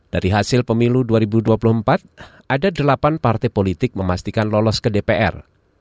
dari hasil pemilu dua ribu dua puluh empat ada delapan partai politik memastikan lolos ke dpr